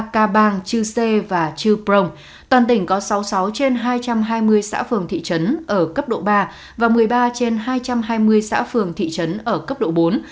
ca bang chư sê và chư prong toàn tỉnh có sáu mươi sáu trên hai trăm hai mươi xã phường thị trấn ở cấp độ ba và một mươi ba trên hai trăm hai mươi xã phường thị trấn ở cấp độ bốn